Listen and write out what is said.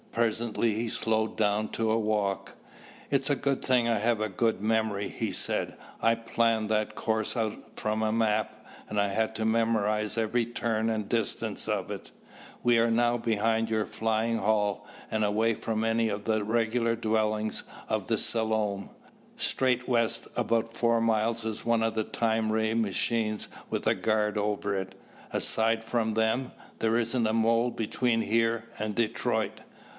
Presently he slowed down to a walk. "It's a good thing I have a good memory," he said. "I planned that course out from a map, and I had to memorize every turn and distance of it. We are now behind your flying hall and away from any of the regular dwellings of the Selom. Straight west about four miles is one of the time ray machines with a guard over it. Aside from them, there isn't a mole between here and Detroit."